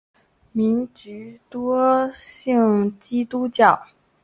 居民多信奉基督教。